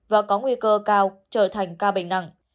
và có nguy cơ cao trở thành ca bệnh nặng